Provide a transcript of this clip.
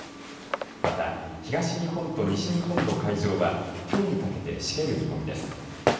また、東日本と西日本の海上はきょうにかけてしける見込みです。